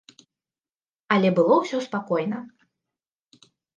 Але было ўсё спакойна.